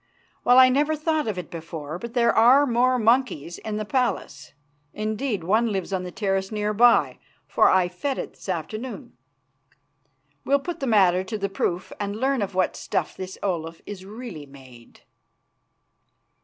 Well, I never thought of it before, but there are more monkeys in the palace. Indeed, one lives on the terrace near by, for I fed it this afternoon. We'll put the matter to the proof and learn of what stuff this Olaf is really made."